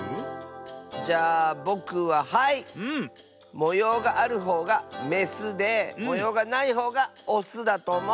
もようがあるほうがメスでもようがないほうがオスだとおもう。